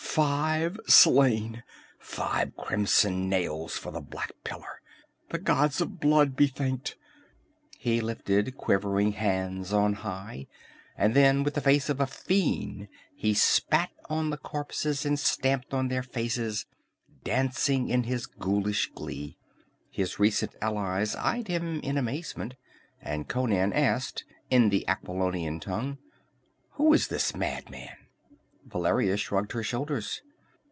"Five slain! Five crimson nails for the black pillar! The gods of blood be thanked!" He lifted quivering hands on high, and then, with the face of a fiend, he spat on the corpses and stamped on their faces, dancing in his ghoulish glee. His recent allies eyed him in amazement, and Conan asked, in the Aquilonian tongue: "Who is this madman?" Valeria shrugged her shoulders.